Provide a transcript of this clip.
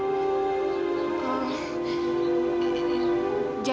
tidak ada yang baik secara sengaja